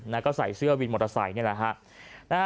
แล้วก็ใส่เสื้อวินมอเตอร์ไซค์